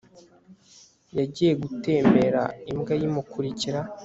Yagiye gutembera imbwa ye imukurikira